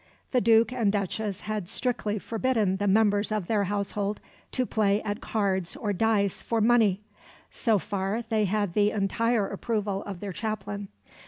The Duke and Duchess had strictly forbidden the members of their household to play at cards or dice for money. So far they had the entire approval of their chaplain.